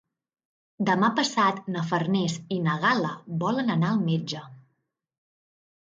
Demà passat na Farners i na Gal·la volen anar al metge.